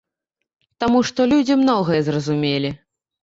Таму што людзі многае зразумелі.